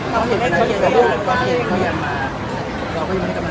ช่องความหล่อของพี่ต้องการอันนี้นะครับ